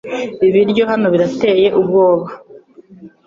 Ibiryo hano birateye ubwoba .